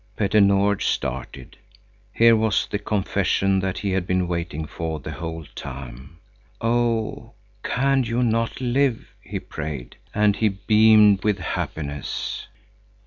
Petter Nord started. Here was the confession that he had been waiting for the whole time. "Oh, can you not live!" he prayed. And he beamed with happiness.